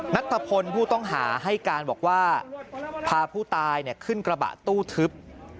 นัทธพลผู้ต้องหาให้การบอกว่าพาผู้ตายขึ้นกระบะตู้ทึบ